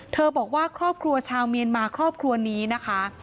บอกว่าครอบครัวชาวเมียนมาครอบครัวนี้นะคะ